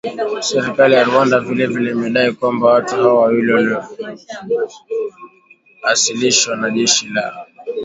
Serikali ya Rwanda vile vile imedai kwamba watu hao wawili walioasilishwa na jeshi la